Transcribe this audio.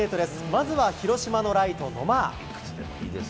まずは広島のライト、野間。